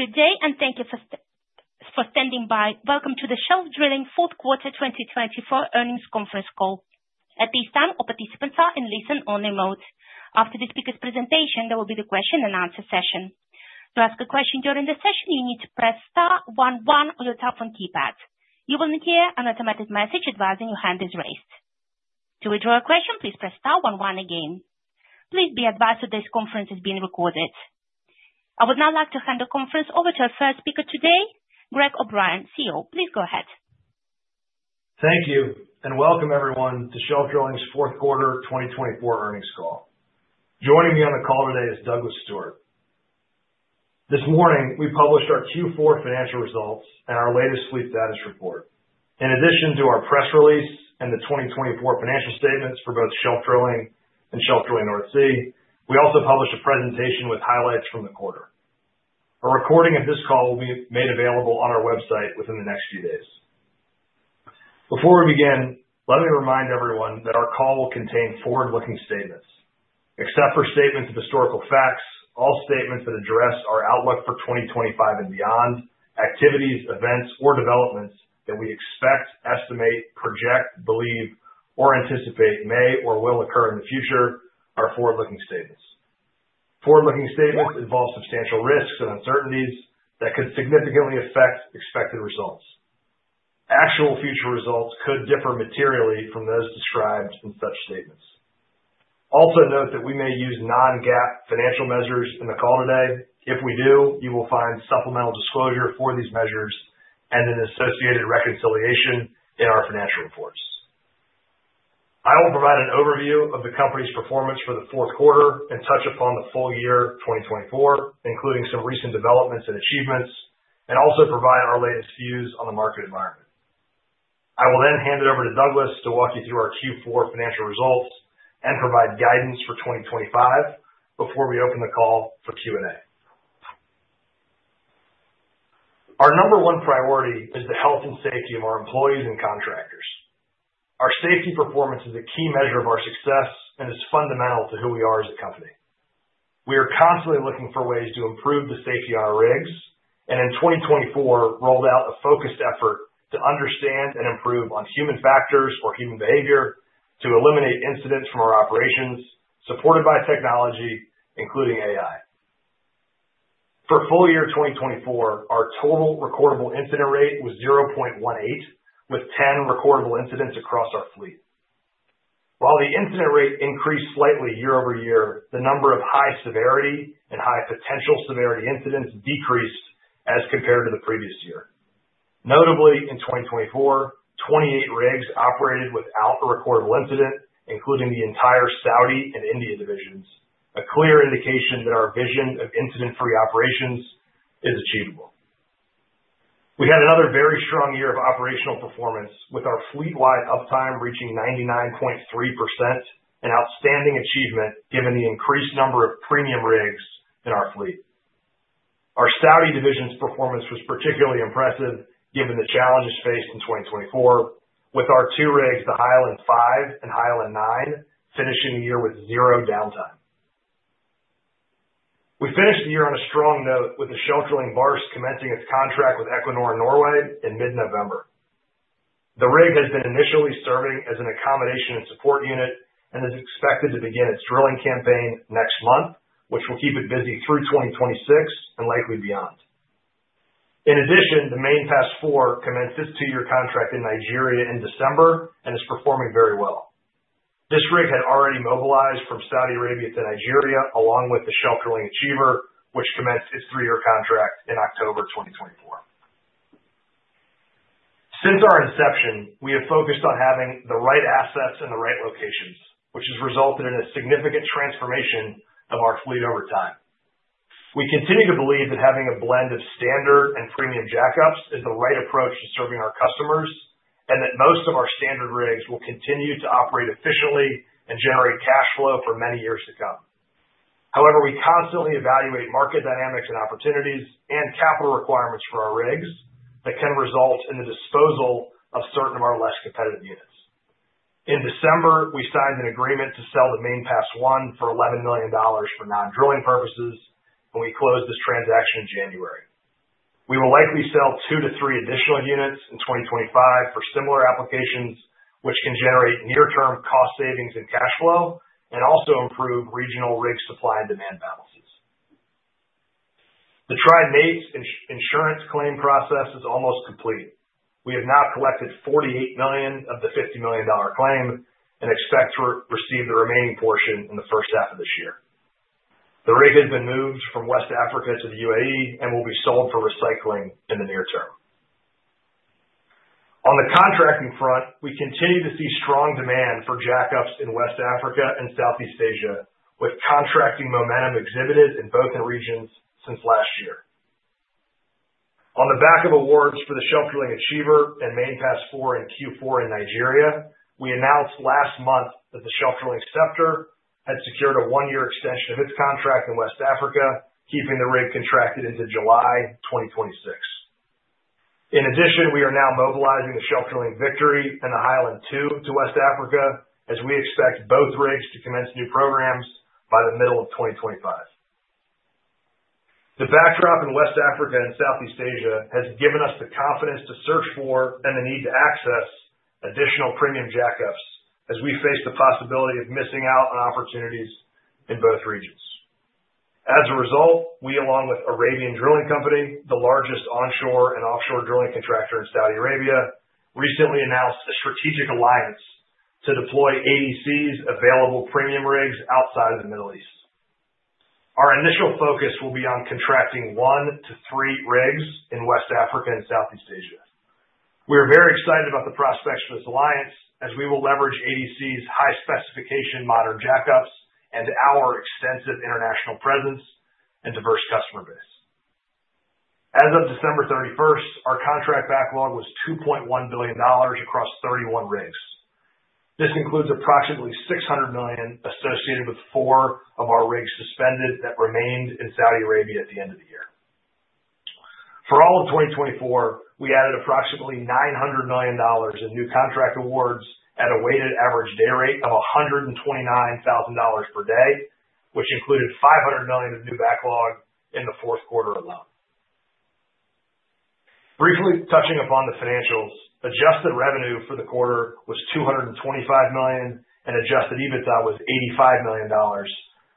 Good day and thank you for standing by. Welcome to the Shelf Drilling's fourth quarter 2024 earnings conference call. At this time, all participants are in listen-only mode. After the speaker's presentation, there will be the question-and-answer session. To ask a question during the session, you need to press star one one on your telephone keypad. You will hear an automatic message advising your hand is raised. To withdraw a question, please press star one one again. Please be advised that this conference is being recorded. I would now like to hand the conference over to our first speaker today, Greg O'Brien, CEO. Please go ahead. Thank you and welcome, everyone, to Shelf Drilling's fourth quarter 2024 earnings call. Joining me on the call today is Douglas Stewart. This morning, we published our Q4 financial results and our latest fleet status report. In addition to our press release and the 2024 financial statements for both Shelf Drilling and Shelf Drilling North Sea, we also published a presentation with highlights from the quarter. A recording of this call will be made available on our website within the next few days. Before we begin, let me remind everyone that our call will contain forward-looking statements. Except for statements of historical facts, all statements that address our outlook for 2025 and beyond, activities, events, or developments that we expect, estimate, project, believe, or anticipate may or will occur in the future are forward-looking statements. Forward-looking statements involve substantial risks and uncertainties that could significantly affect expected results. Actual future results could differ materially from those described in such statements. Also note that we may use non-GAAP financial measures in the call today. If we do, you will find supplemental disclosure for these measures and an associated reconciliation in our financial reports. I will provide an overview of the company's performance for the fourth quarter and touch upon the full year 2024, including some recent developments and achievements, and also provide our latest views on the market environment. I will then hand it over to Douglas to walk you through our Q4 financial results and provide guidance for 2025 before we open the call for Q&A. Our number one priority is the health and safety of our employees and contractors. Our safety performance is a key measure of our success and is fundamental to who we are as a company. We are constantly looking for ways to improve the safety on our rigs and in 2024 rolled out a focused effort to understand and improve on human factors or human behavior to eliminate incidents from our operations supported by technology, including AI. For full year 2024, our total recordable incident rate was 0.18, with 10 recordable incidents across our fleet. While the incident rate increased slightly year over year, the number of high severity and high potential severity incidents decreased as compared to the previous year. Notably, in 2024, 28 rigs operated without a recordable incident, including the entire Saudi and India divisions, a clear indication that our vision of incident-free operations is achievable. We had another very strong year of operational performance, with our fleet-wide uptime reaching 99.3%, an outstanding achievement given the increased number of premium rigs in our fleet. Our Saudi division's performance was particularly impressive given the challenges faced in 2024, with our two rigs, the Highland Five and Highland Nine, finishing the year with zero downtime. We finished the year on a strong note, with the Shelf Drilling Barsk commencing its contract with Equinor Norway in mid-November. The rig has been initially serving as an accommodation and support unit and is expected to begin its drilling campaign next month, which will keep it busy through 2026 and likely beyond. In addition, the Main Pass Four commenced its two-year contract in Nigeria in December and is performing very well. This rig had already mobilized from Saudi Arabia to Nigeria along with the Shelf Drilling Achiever, which commenced its three-year contract in October 2024. Since our inception, we have focused on having the right assets in the right locations, which has resulted in a significant transformation of our fleet over time. We continue to believe that having a blend of standard and premium jackups is the right approach to serving our customers and that most of our standard rigs will continue to operate efficiently and generate cash flow for many years to come. However, we constantly evaluate market dynamics and opportunities and capital requirements for our rigs that can result in the disposal of certain of our less competitive units. In December, we signed an agreement to sell the Main Pass One for $11 million for non-drilling purposes, and we closed this transaction in January. We will likely sell two to three additional units in 2025 for similar applications, which can generate near-term cost savings and cash flow and also improve regional rig supply and demand balances. The Trident 8 insurance claim process is almost complete. We have now collected $48 million of the $50 million claim and expect to receive the remaining portion in the first half of this year. The rig has been moved from West Africa to the UAE and will be sold for recycling in the near term. On the contracting front, we continue to see strong demand for jackup rigs in West Africa and Southeast Asia, with contracting momentum exhibited in both regions since last year. On the back of awards for the Shelf Drilling Achiever and Main Pass Four in Q4 in Nigeria, we announced last month that the Shelf Drilling Scepter had secured a one-year extension of its contract in West Africa, keeping the rig contracted into July 2026. In addition, we are now mobilizing the Shelf Drilling Victory and the Highland Two to West Africa, as we expect both rigs to commence new programs by the middle of 2025. The backdrop in West Africa and Southeast Asia has given us the confidence to search for and the need to access additional premium jackups as we face the possibility of missing out on opportunities in both regions. As a result, we, along with Arabian Drilling Company, the largest onshore and offshore drilling contractor in Saudi Arabia, recently announced a strategic alliance to deploy ADC's available premium rigs outside of the Middle East. Our initial focus will be on contracting one to three rigs in West Africa and Southeast Asia. We are very excited about the prospects for this alliance, as we will leverage ADC's high-specification modern jackups and our extensive international presence and diverse customer base. As of December 31st, our contract backlog was $2.1 billion across 31 rigs. This includes approximately $600 million associated with four of our rigs suspended that remained in Saudi Arabia at the end of the year. For all of 2024, we added approximately $900 million in new contract awards at a weighted average day rate of $129,000 per day, which included $500 million of new backlog in Q4 alone. Briefly touching upon the financials, adjusted revenue for the quarter was $225 million, and adjusted EBITDA was $85 million,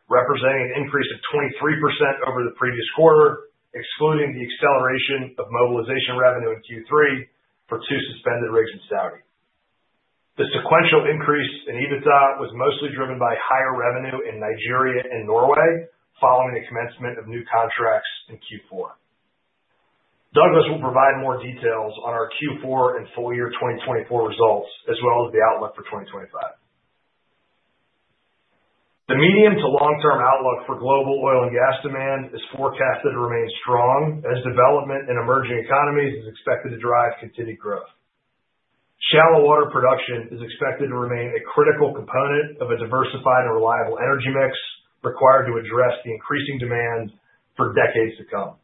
representing an increase of 23% over the previous quarter, excluding the acceleration of mobilization revenue in Q3 for two suspended rigs in Saudi. The sequential increase in EBITDA was mostly driven by higher revenue in Nigeria and Norway following the commencement of new contracts in Q4. Douglas will provide more details on our Q4 and full year 2024 results, as well as the outlook for 2025. The medium to long-term outlook for global oil and gas demand is forecasted to remain strong as development in emerging economies is expected to drive continued growth. Shallow water production is expected to remain a critical component of a diversified and reliable energy mix required to address the increasing demand for decades to come.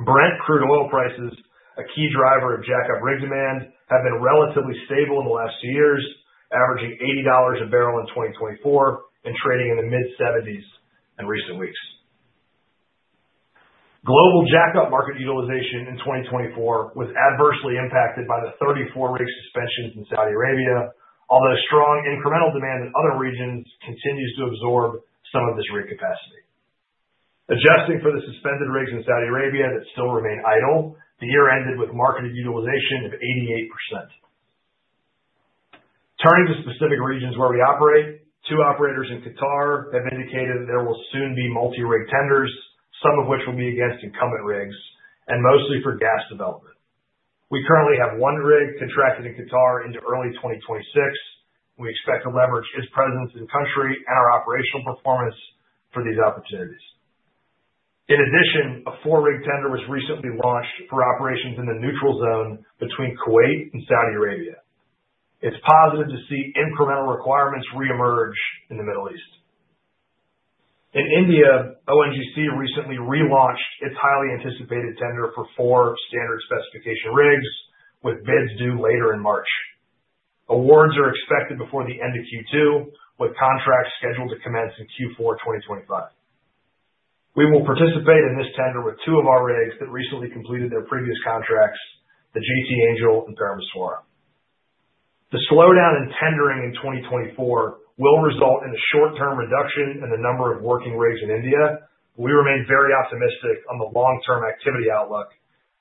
Brent crude oil prices, a key driver of jackup rig demand, have been relatively stable in the last two years, averaging $80 a barrel in 2024 and trading in the mid-70s in recent weeks. Global jackup market utilization in 2024 was adversely impacted by the 34 rig suspensions in Saudi Arabia, although strong incremental demand in other regions continues to absorb some of this rig capacity. Adjusting for the suspended rigs in Saudi Arabia that still remain idle, the year ended with market utilization of 88%. Turning to specific regions where we operate, two operators in Qatar have indicated that there will soon be multi-rig tenders, some of which will be against incumbent rigs, and mostly for gas development. We currently have one rig contracted in Qatar into early 2026, and we expect to leverage its presence in-country and our operational performance for these opportunities. In addition, a four-rig tender was recently launched for operations in the Neutral Zone between Kuwait and Saudi Arabia. It's positive to see incremental requirements reemerge in the Middle East. In India, ONGC recently relaunched its highly anticipated tender for four standard specification rigs, with bids due later in March. Awards are expected before the end of Q2, with contracts scheduled to commence in Q4 2025. We will participate in this tender with two of our rigs that recently completed their previous contracts, the GT Angel and Permaswara. The slowdown in tendering in 2024 will result in a short-term reduction in the number of working rigs in India, but we remain very optimistic on the long-term activity outlook,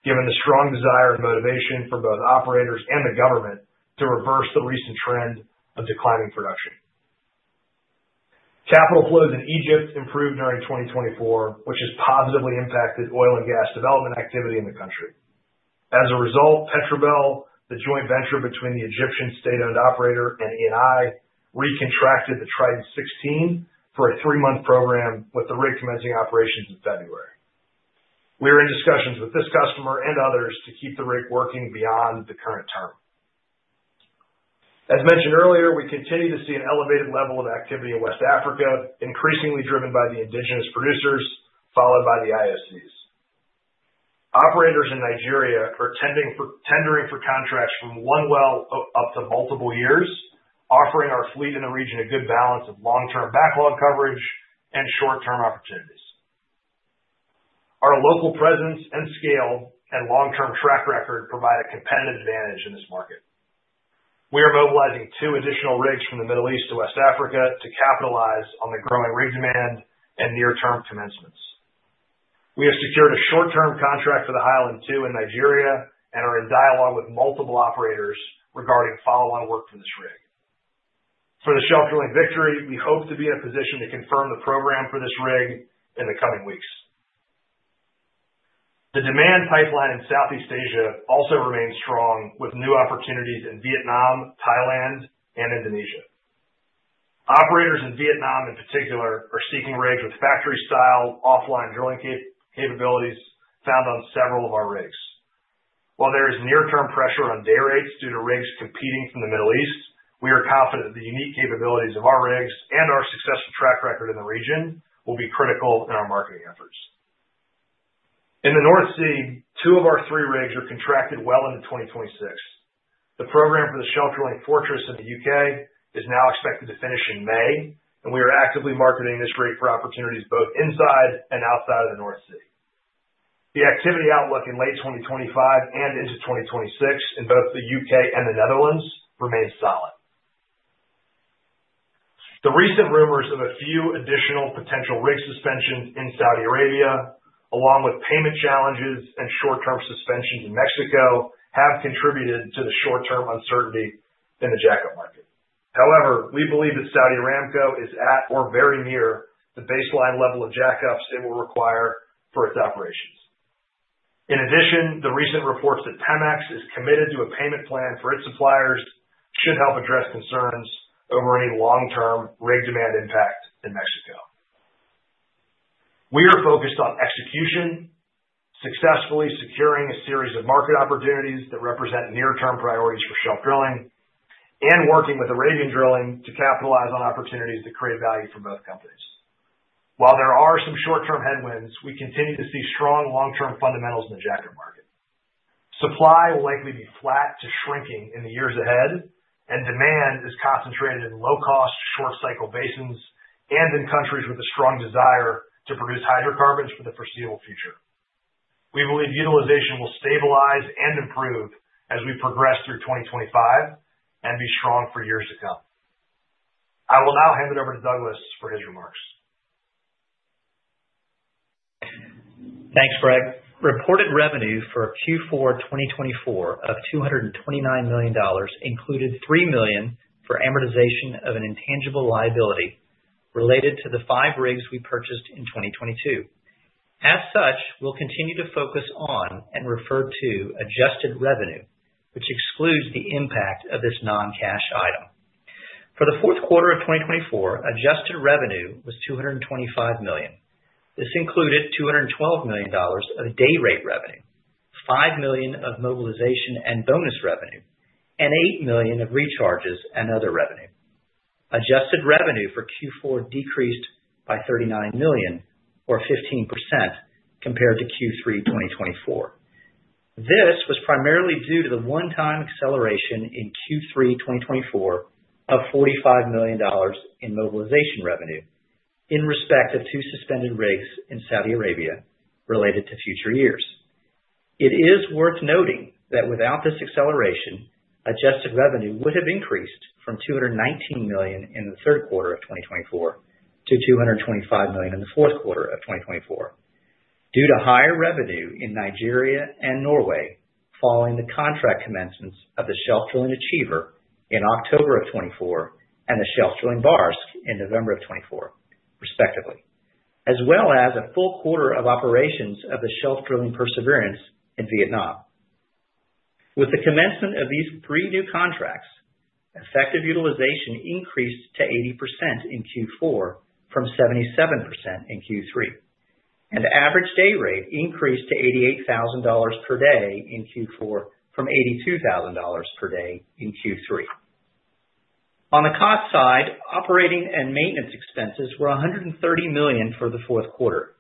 given the strong desire and motivation for both operators and the government to reverse the recent trend of declining production. Capital flows in Egypt improved during 2024, which has positively impacted oil and gas development activity in the country. As a result, Petrobel, the joint venture between the Egyptian state-owned operator and ENI, recontracted the Trident 16 for a three-month program with the rig commencing operations in February. We are in discussions with this customer and others to keep the rig working beyond the current term. As mentioned earlier, we continue to see an elevated level of activity in West Africa, increasingly driven by the indigenous producers, followed by the IOCs. Operators in Nigeria are tendering for contracts from one well up to multiple years, offering our fleet in the region a good balance of long-term backlog coverage and short-term opportunities. Our local presence and scale and long-term track record provide a competitive advantage in this market. We are mobilizing two additional rigs from the Middle East to West Africa to capitalize on the growing rig demand and near-term commencements. We have secured a short-term contract for the Highland Two in Nigeria and are in dialogue with multiple operators regarding follow-on work for this rig. For the Shelf Drilling Victory, we hope to be in a position to confirm the program for this rig in the coming weeks. The demand pipeline in Southeast Asia also remains strong, with new opportunities in Vietnam, Thailand, and Indonesia. Operators in Vietnam, in particular, are seeking rigs with factory-style offline drilling capabilities found on several of our rigs. While there is near-term pressure on day rates due to rigs competing from the Middle East, we are confident that the unique capabilities of our rigs and our successful track record in the region will be critical in our marketing efforts. In the North Sea, two of our three rigs are contracted well into 2026. The program for the Shelf Drilling Fortress in the U.K. is now expected to finish in May, and we are actively marketing this rig for opportunities both inside and outside of the North Sea. The activity outlook in late 2025 and into 2026 in both the U.K. and the Netherlands remains solid. The recent rumors of a few additional potential rig suspensions in Saudi Arabia, along with payment challenges and short-term suspensions in Mexico, have contributed to the short-term uncertainty in the jackup market. However, we believe that Saudi Aramco is at or very near the baseline level of jackups it will require for its operations. In addition, the recent reports that Pemex is committed to a payment plan for its suppliers should help address concerns over any long-term rig demand impact in Mexico. We are focused on execution, successfully securing a series of market opportunities that represent near-term priorities for Shelf Drilling, and working with Arabian Drilling to capitalize on opportunities to create value for both companies. While there are some short-term headwinds, we continue to see strong long-term fundamentals in the jackup market. Supply will likely be flat to shrinking in the years ahead, and demand is concentrated in low-cost, short-cycle basins and in countries with a strong desire to produce hydrocarbons for the foreseeable future. We believe utilization will stabilize and improve as we progress through 2025 and be strong for years to come. I will now hand it over to Douglas for his remarks. Thanks, Greg. Reported revenue for Q4 2024 of $229 million included $3 million for amortization of an intangible liability related to the five rigs we purchased in 2022. As such, we'll continue to focus on and refer to adjusted revenue, which excludes the impact of this non-cash item. For the fourth quarter of 2024, adjusted revenue was $225 million. This included $212 million of day rate revenue, $5 million of mobilization and bonus revenue, and $8 million of recharges and other revenue. Adjusted revenue for Q4 decreased by $39 million, or 15%, compared to Q3 2024. This was primarily due to the one-time acceleration in Q3 2024 of $45 million in mobilization revenue in respect of two suspended rigs in Saudi Arabia related to future years. It is worth noting that without this acceleration, adjusted revenue would have increased from $219 million in the third quarter of 2024 to $225 million in the fourth quarter of 2024 due to higher revenue in Nigeria and Norway following the contract commencements of the Shelf Drilling Achiever in October of 2024 and the Shelf Drilling Barsk in November of 2024, respectively, as well as a full quarter of operations of the Shelf Drilling Perseverance in Vietnam. With the commencement of these three new contracts, effective utilization increased to 80% in Q4 from 77% in Q3, and average day rate increased to $88,000 per day in Q4 from $82,000 per day in Q3. On the cost side, operating and maintenance expenses were $130 million for the fourth quarter,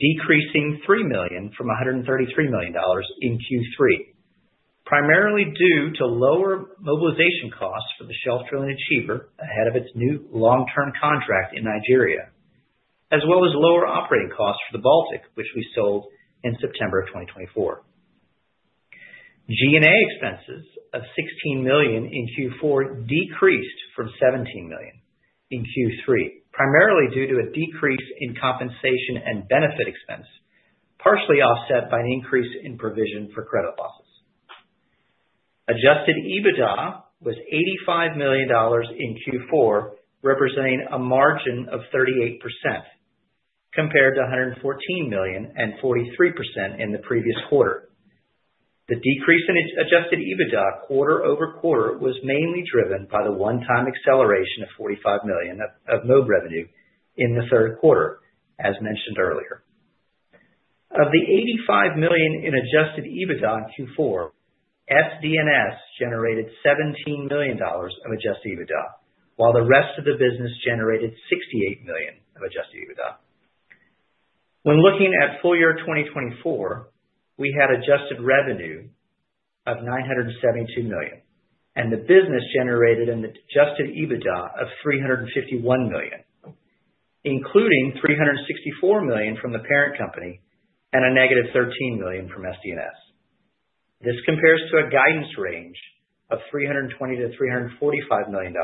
decreasing $3 million from $133 million in Q3, primarily due to lower mobilization costs for the Shelf Drilling Achiever ahead of its new long-term contract in Nigeria, as well as lower operating costs for the Baltic, which we sold in September of 2024. G&A expenses of $16 million in Q4 decreased from $17 million in Q3, primarily due to a decrease in compensation and benefit expense, partially offset by an increase in provision for credit losses. Adjusted EBITDA was $85 million in Q4, representing a margin of 38%, compared to $114 million and 43% in the previous quarter. The decrease in adjusted EBITDA quarter over quarter was mainly driven by the one-time acceleration of $45 million of MOB revenue in the third quarter, as mentioned earlier. Of the $85 million in adjusted EBITDA in Q4, SD&S generated $17 million of adjusted EBITDA, while the rest of the business generated $68 million of adjusted EBITDA. When looking at full year 2024, we had adjusted revenue of $972 million, and the business generated an adjusted EBITDA of $351 million, including $364 million from the parent company and a negative $13 million from SD&S. This compares to a guidance range of $320-$345 million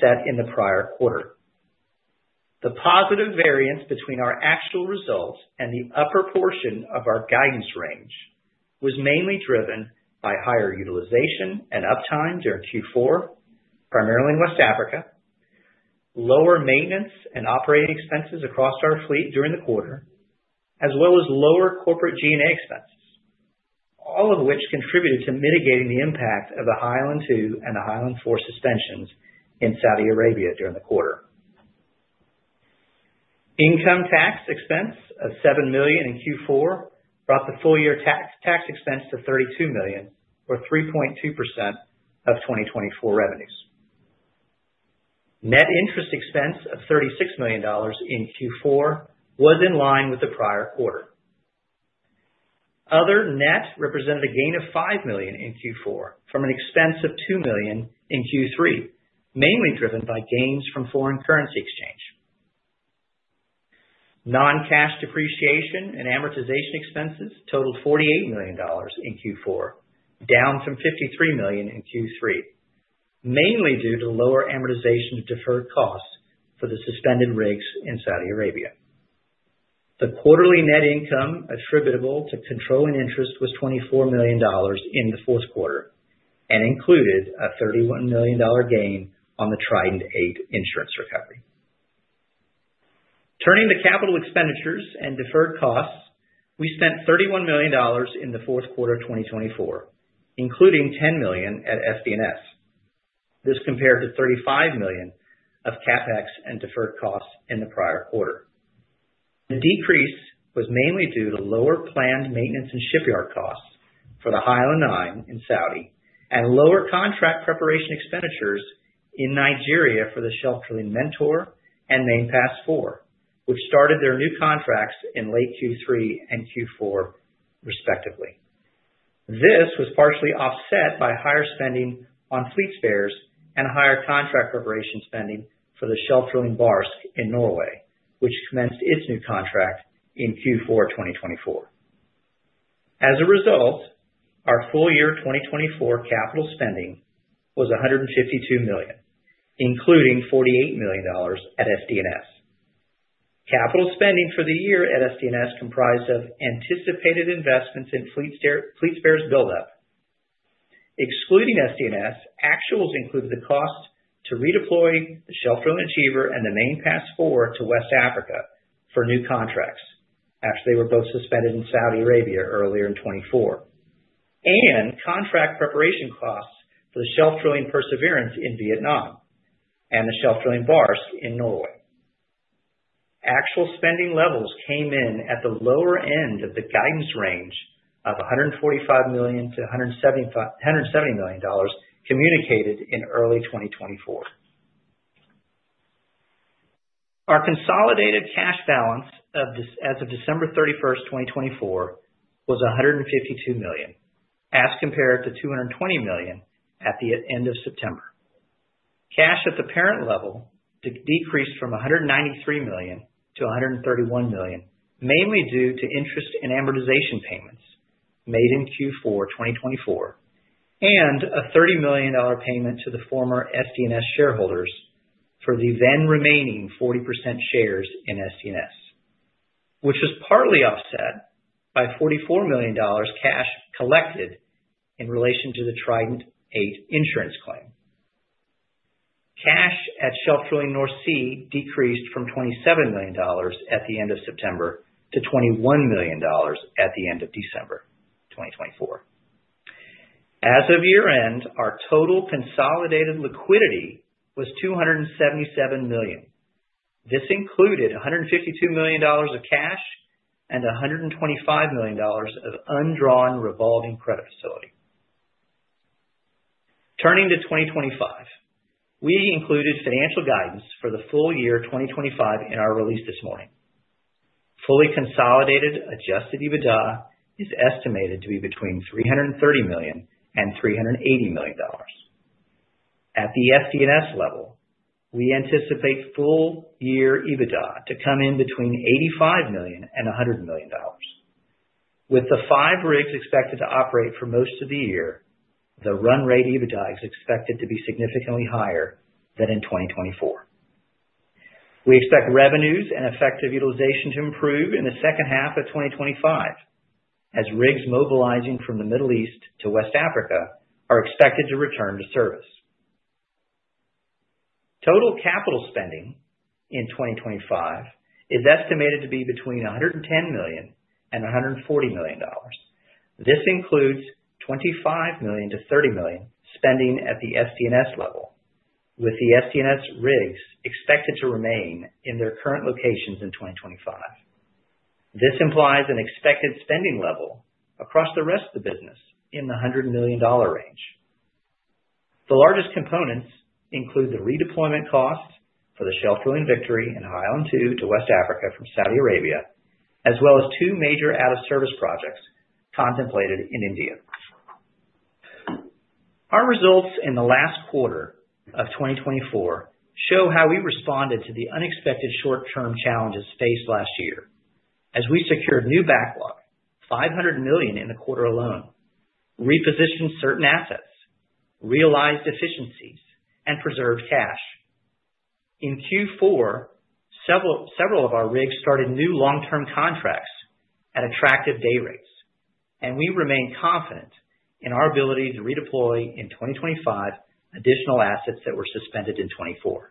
set in the prior quarter. The positive variance between our actual results and the upper portion of our guidance range was mainly driven by higher utilization and uptime during Q4, primarily in West Africa, lower maintenance and operating expenses across our fleet during the quarter, as well as lower corporate G&A expenses, all of which contributed to mitigating the impact of the Highland Two and the Highland Four suspensions in Saudi Arabia during the quarter. Income tax expense of $7 million in Q4 brought the full year tax expense to $32 million, or 3.2% of 2024 revenues. Net interest expense of $36 million in Q4 was in line with the prior quarter. Other net represented a gain of $5 million in Q4 from an expense of $2 million in Q3, mainly driven by gains from foreign currency exchange. Non-cash depreciation and amortization expenses totaled $48 million in Q4, down from $53 million in Q3, mainly due to lower amortization of deferred costs for the suspended rigs in Saudi Arabia. The quarterly net income attributable to controlling interest was $24 million in fourth quarter and included a $31 million gain on the Trident 8 insurance recovery. Turning to capital expenditures and deferred costs, we spent $31 million in fourth quarter 2024, including $10 million at SD&S. This compared to $35 million of CapEx and deferred costs in the prior quarter. The decrease was mainly due to lower planned maintenance and shipyard costs for the Highland Nine in Saudi and lower contract preparation expenditures in Nigeria for the Shelf Drilling Mentor and Main Pass Four, which started their new contracts in late Q3 and Q4, respectively. This was partially offset by higher spending on fleet spares and higher contract preparation spending for the Shelf Drilling Barsk in Norway, which commenced its new contract in Q4 2024. As a result, our full year 2024 capital spending was $152 million, including $48 million at SD&S. Capital spending for the year at SD&S comprised of anticipated investments in fleet spares build-up. Excluding SD&S, actuals included the cost to redeploy the Shelf Drilling Achiever and the Main Pass Four to West Africa for new contracts, after they were both suspended in Saudi Arabia earlier in 2024, and contract preparation costs for the Shelf Drilling Perseverance in Vietnam and the Shelf Drilling Barsk in Norway. Actual spending levels came in at the lower end of the guidance range of $145 million-$170 million communicated in early 2024. Our consolidated cash balance as of December 31st, 2024, was $152 million, as compared to $220 million at the end of September. Cash at the parent level decreased from $193 million-$131 million, mainly due to interest and amortization payments made in Q4 2024 and a $30 million payment to the former SD&S shareholders for the then remaining 40% shares in SD&S, which was partly offset by $44 million cash collected in relation to the Trident eight insurance claim. Cash at Shelf Drilling North Sea decreased from $27 million at the end of September to $21 million at the end of December 2024. As of year-end, our total consolidated liquidity was $277 million. This included $152 million of cash and $125 million of undrawn revolving credit facility. Turning to 2025, we included financial guidance for the full year 2025 in our release this morning. Fully consolidated adjusted EBITDA is estimated to be between $330 million and $380 million. At the SD&S level, we anticipate full year EBITDA to come in between $85 million and $100 million. With the five rigs expected to operate for most of the year, the run rate EBITDA is expected to be significantly higher than in 2024. We expect revenues and effective utilization to improve in the second half of 2025, as rigs mobilizing from the Middle East to West Africa are expected to return to service. Total capital spending in 2025 is estimated to be between $110 million and $140 million. This includes $25 million-$30 million spending at the SD&S level, with the SD&S rigs expected to remain in their current locations in 2025. This implies an expected spending level across the rest of the business in the $100 million range. The largest components include the redeployment costs for the Shelf Drilling Victory and Highland Two to West Africa from Saudi Arabia, as well as two major out-of-service projects contemplated in India. Our results in the last quarter of 2024 show how we responded to the unexpected short-term challenges faced last year, as we secured new backlog, $500 million in the quarter alone, repositioned certain assets, realized deficiencies, and preserved cash. In Q4, several of our rigs started new long-term contracts at attractive day rates, and we remain confident in our ability to redeploy in 2025 additional assets that were suspended in 2024.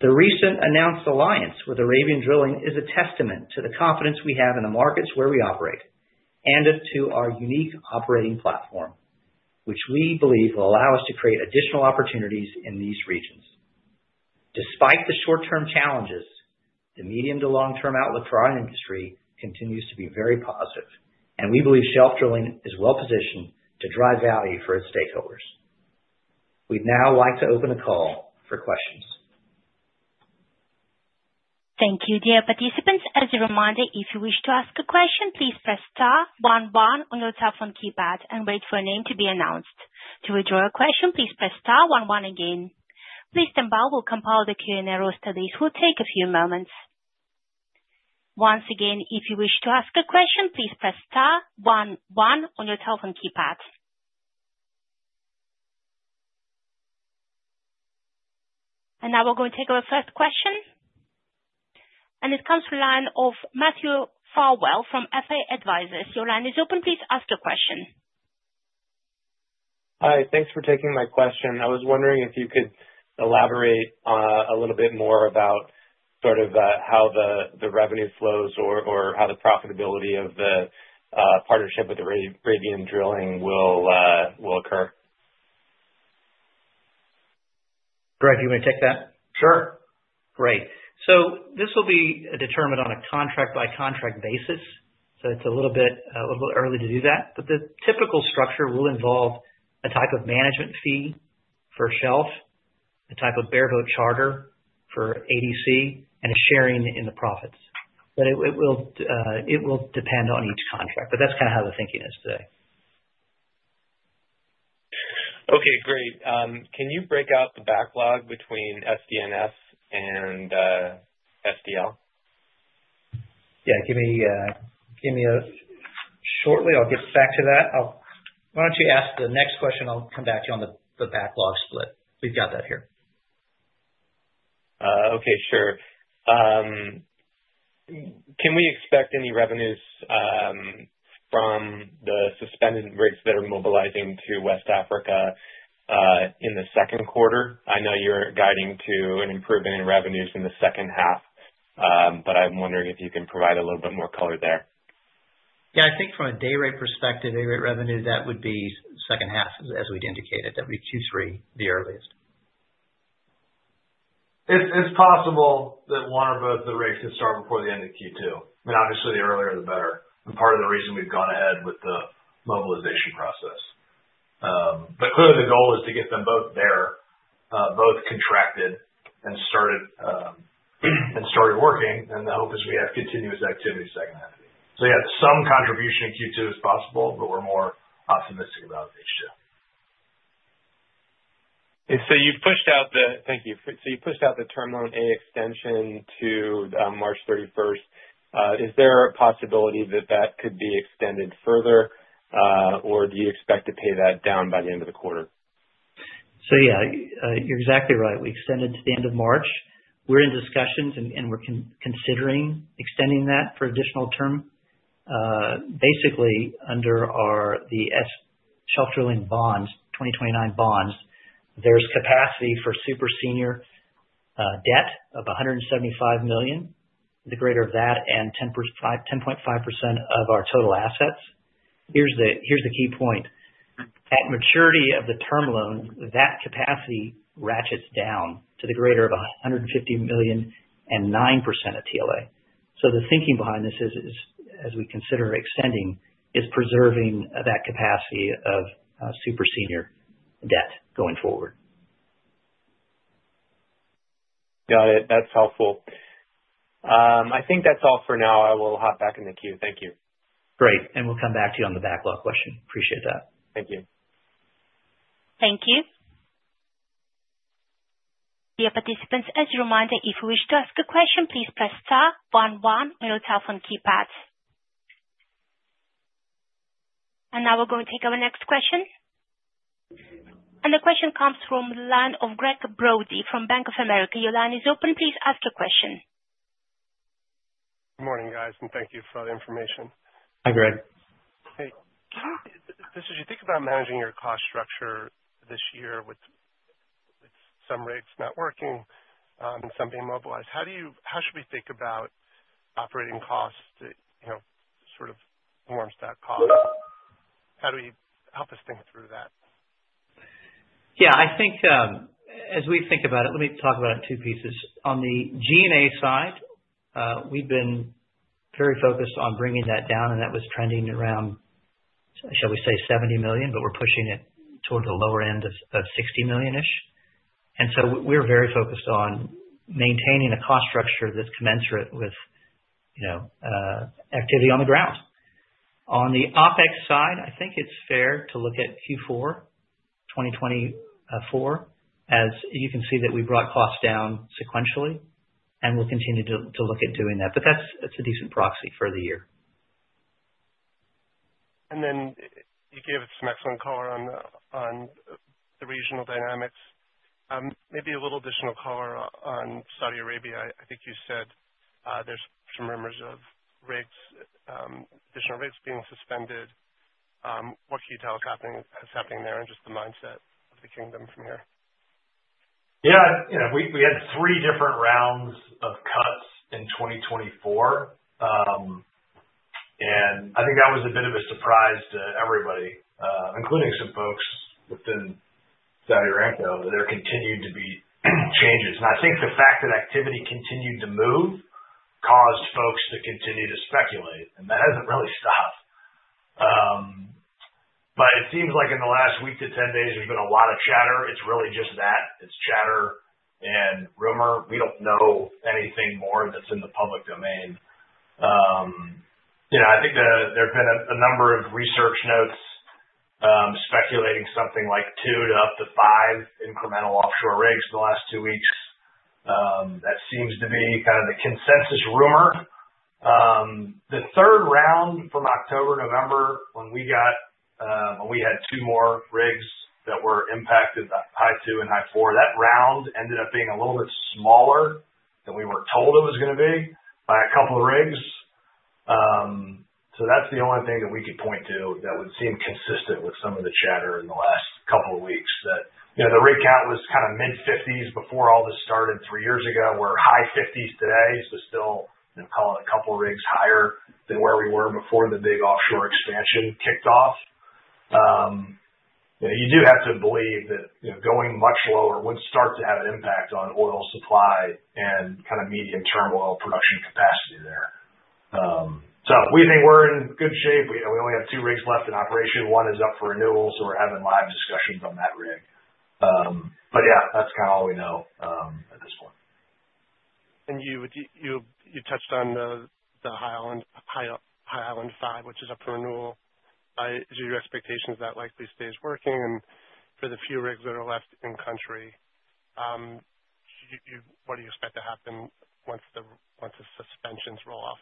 The recent announced alliance with Arabian Drilling is a testament to the confidence we have in the markets where we operate and to our unique operating platform, which we believe will allow us to create additional opportunities in these regions. Despite the short-term challenges, the medium to long-term outlook for our industry continues to be very positive, and we believe Shelf Drilling is well-positioned to drive value for its stakeholders. We would now like to open a call for questions. Thank you. Dear participants, as a reminder, if you wish to ask a question, please press star one one on your telephone keypad and wait for a name to be announced. To withdraw a question, please press star one one again. Please stand by. We will compile the Q&A row studies. It will take a few moments. Once again, if you wish to ask a question, please press star one one on your telephone keypad. We are going to take our first question. It comes from the line of Matthew Farwell from FA Advisors. Your line is open. Please ask your question. Hi. Thanks for taking my question. I was wondering if you could elaborate a little bit more about sort of how the revenue flows or how the profitability of the partnership with Arabian Drilling will occur? Greg, do you want to take that? Sure. Great. This will be determined on a contract-by-contract basis. It is a little bit early to do that. The typical structure will involve a type of management fee for Shelf, a type of bareboat charter for ADC, and a sharing in the profits. It will depend on each contract. That is kind of how the thinking is today. Okay. Great. Can you break out the backlog between SD&S and SDL? Yeah. Give me a shortly. I'll get back to that. Why don't you ask the next question? I'll come back to you on the backlog split. We've got that here. Okay. Sure. Can we expect any revenues from the suspended rigs that are mobilizing to West Africa in the second quarter? I know you're guiding to an improvement in revenues in the second half, but I'm wondering if you can provide a little bit more color there? Yeah. I think from a day rate perspective, day rate revenue, that would be second half, as we'd indicated. That would be Q3 the earliest. It's possible that one or both of the rigs could start before the end of Q2. I mean, obviously, the earlier the better. Part of the reason we've gone ahead with the mobilization process. Clearly, the goal is to get them both there, both contracted and started working. The hope is we have continuous activity segment. Yeah, some contribution in Q2 is possible, but we're more optimistic about H2. You've pushed out the—thank you. You pushed out the Terminal A extension to March 31st. Is there a possibility that that could be extended further, or do you expect to pay that down by the end of the quarter? Yeah, you're exactly right. We extended to the end of March. We're in discussions, and we're considering extending that for additional term. Basically, under the Shelf Drilling Bonds, 2029 bonds, there's capacity for super senior debt of $175 million, the greater of that, and 10.5% of our total assets. Here's the key point. At maturity of the term loan, that capacity ratchets down to the greater of $150 million and 9% of TLA. The thinking behind this is, as we consider extending, is preserving that capacity of super senior debt going forward. Got it. That's helpful. I think that's all for now. I will hop back in the queue. Thank you. Great. We'll come back to you on the backlog question. Appreciate that. Thank you. Thank you. Dear participants, as a reminder, if you wish to ask a question, please press star one one on your telephone keypad. Now we're going to take our next question. The question comes from the line of Gregg Brody from Bank of America. Your line is open. Please ask your question. Good morning, guys, and thank you for all the information. Hi, Gregg. Hey. This is you. Think about managing your cost structure this year with some rigs not working and some being mobilized. How should we think about operating costs that sort of warms that cost? How do we help us think through that? Yeah. I think as we think about it, let me talk about it in two pieces. On the G&A side, we've been very focused on bringing that down, and that was trending around, shall we say, $70 million, but we're pushing it toward the lower end of $60 million-ish. We're very focused on maintaining a cost structure that's commensurate with activity on the ground. On the OpEx side, I think it's fair to look at Q4 2024, as you can see that we brought costs down sequentially, and we'll continue to look at doing that. That's a decent proxy for the year. You gave us some excellent color on the regional dynamics. Maybe a little additional color on Saudi Arabia. I think you said there's some rumors of additional rigs being suspended. What can you tell us is happening there and just the mindset of the kingdom from here? Yeah. We had three different rounds of cuts in 2024, and I think that was a bit of a surprise to everybody, including some folks within Saudi Aramco, that there continued to be changes. I think the fact that activity continued to move caused folks to continue to speculate, and that hasn't really stopped. It seems like in the last week to 10 days, there's been a lot of chatter. It's really just that. It's chatter and rumor. We don't know anything more that's in the public domain. I think there have been a number of research notes speculating something like two to up to five incremental offshore rigs in the last two weeks. That seems to be kind of the consensus rumor. The third round from October, November, when we had two more rigs that were impacted, the Highland Two and Highland Four, that round ended up being a little bit smaller than we were told it was going to be by a couple of rigs. That's the only thing that we could point to that would seem consistent with some of the chatter in the last couple of weeks, that the rig count was kind of mid-50s before all this started three years ago. We're high 50s today, so still a couple of rigs higher than where we were before the big offshore expansion kicked off. You do have to believe that going much lower would start to have an impact on oil supply and kind of medium-term oil production capacity there. We think we're in good shape. We only have two rigs left in operation. One is up for renewal, so we're having live discussions on that rig. Yeah, that's kind of all we know at this point. You touched on the Highland Five, which is up for renewal. Is it your expectation that that likely stays working? For the few rigs that are left in country, what do you expect to happen once the suspensions roll off?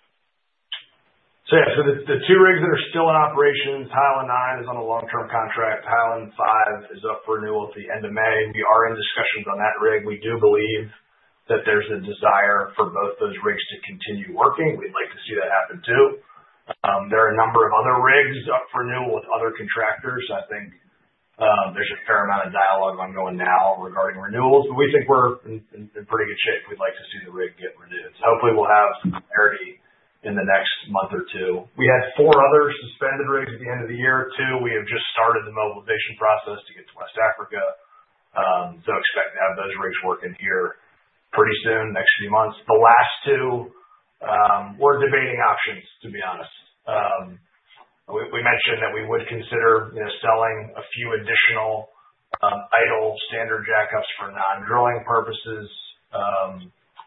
The two rigs that are still in operations, Highland Nine is on a long-term contract. Highland Five is up for renewal at the end of May. We are in discussions on that rig. We do believe that there's a desire for both those rigs to continue working. We'd like to see that happen too. There are a number of other rigs up for renewal with other contractors. I think there's a fair amount of dialogue ongoing now regarding renewals. We think we're in pretty good shape. We'd like to see the rig get renewed. Hopefully, we'll have some clarity in the next month or two. We had four other suspended rigs at the end of the year too. We have just started the mobilization process to get to West Africa. We expect to have those rigs working here pretty soon, next few months. The last two, we're debating options, to be honest. We mentioned that we would consider selling a few additional idle standard jackups for non-drilling purposes.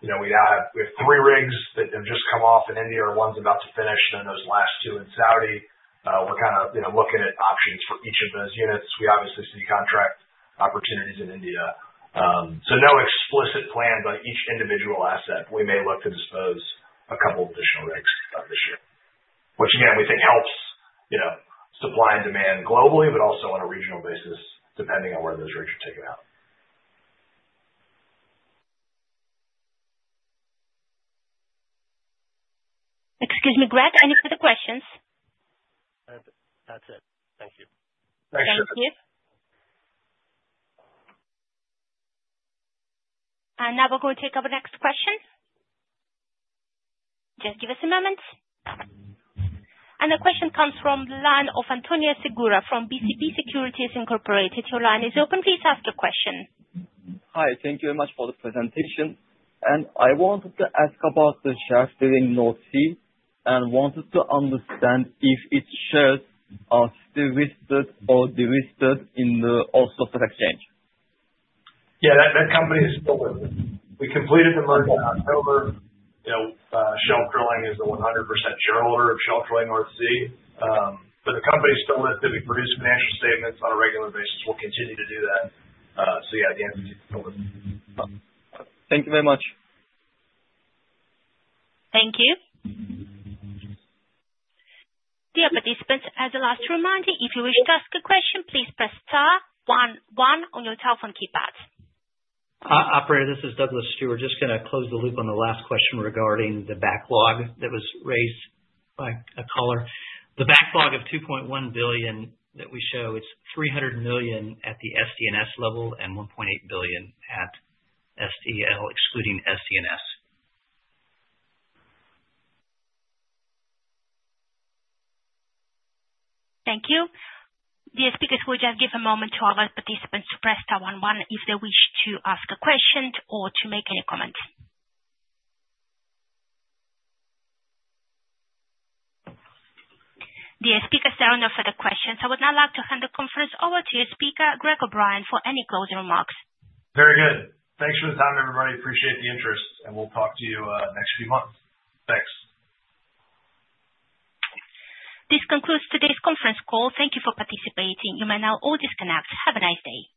We have three rigs that have just come off in India, one's about to finish, and then those last two in Saudi. We're kind of looking at options for each of those units. We obviously see contract opportunities in India. No explicit plan, but each individual asset, we may look to dispose a couple of additional rigs this year, which, again, we think helps supply and demand globally, but also on a regional basis, depending on where those rigs are taken out. Excuse me, Greg. Any further questions? That's it. Thank you. Thank you. Now we're going to take our next question. Just give us a moment. The question comes from the line of Antonio Segura from BCP Securities Incorporated. Your line is open. Please ask your question. Hi. Thank you very much for the presentation. I wanted to ask about the Shelf Drilling North Sea and wanted to understand if its shares are still listed or delisted in the Oslo Stock Exchange. Yeah. That company is still with us. We completed the merger in October. Shelf Drilling is a 100% shareholder of Shelf Drilling North Sea. The company is still with us. We produce financial statements on a regular basis. We'll continue to do that. The entity is still with us. Thank you very much. Thank you. Dear participants, as a last reminder, if you wish to ask a question, please press star one one on your telephone keypad. Operator, this is Douglas Stewart, just going to close the loop on the last question regarding the backlog that was raised by a caller. The backlog of $2.1 billion that we show, it's $300 million at the SD&S level and $1.8 billion at SDL, excluding SD&S. Thank you. Dear speakers, we'll just give a moment to all our participants to press star one one if they wish to ask a question or to make any comments. Dear speakers, there are no further questions. I would now like to hand the conference over to your speaker, Greg O'Brien, for any closing remarks. Very good. Thanks for the time, everybody. Appreciate the interest, and we'll talk to you next few months. Thanks. This concludes today's conference call. Thank you for participating. You may now all disconnect. Have a nice day.